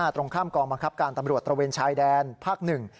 ตรงข้ามกองบังคับการตำรวจตระเวนชายแดนภาคหนึ่ง